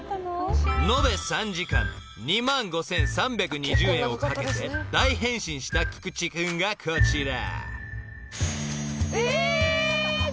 ［延べ３時間２万５，３２０円をかけて大変身したキクチ君がこちら］